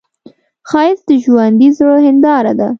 ښایست د ژوندي زړه هنداره ده